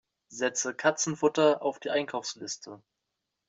Setze Katzenfutter auf die Einkaufsliste!